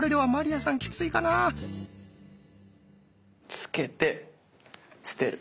つけて捨てる。